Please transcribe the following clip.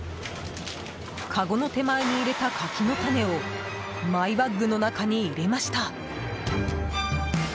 かごの手前に入れた柿の種をマイバッグの中に入れました。